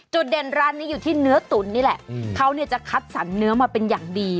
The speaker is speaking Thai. เด่นร้านนี้อยู่ที่เนื้อตุ๋นนี่แหละเขาเนี่ยจะคัดสรรเนื้อมาเป็นอย่างดี